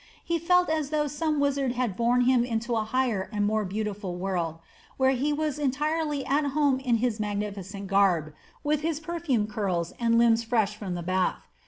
He felt as though some wizard had borne him into a higher and more beautiful world, where he was entirely at home in his magnificent garb, with his perfumed curls and limbs fresh from the bath.